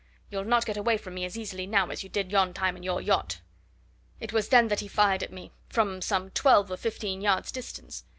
You'll not get away from me as easily now as you did yon time in your yacht." It was then that he fired at me from some twelve or fifteen yards' distance.